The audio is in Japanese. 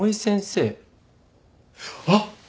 あっ！